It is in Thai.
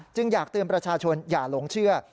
อยากเตือนประชาชนอย่าหลงเชื่อ